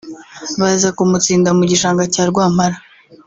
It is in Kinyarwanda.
baza kumutsinda mu gishanga cya Rwampala